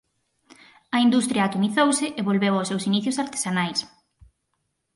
A industria atomizouse e volveu aos seus inicios artesanais.